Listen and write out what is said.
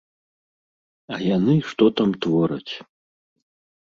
А яны што там твораць.